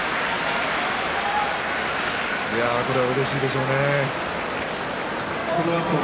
これはうれしいでしょうね。